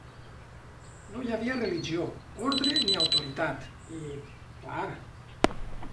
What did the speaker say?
No hi havia religió, ordre ni autoritat, i... clar!